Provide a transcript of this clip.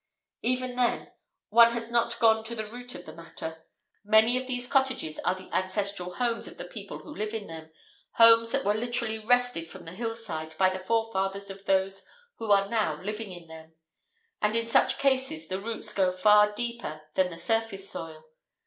Even then, one has not gone to the root of the matter. Many of these cottages are the ancestral homes of the people who live in them, homes that were literally wrested from the hillside by the forefathers of those who are now living in them. And in such cases the roots go far deeper than the surface soil.